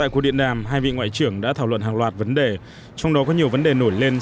cuộc điện đàm hai vị ngoại trưởng đã thảo luận hàng loạt vấn đề trong đó có nhiều vấn đề nổi lên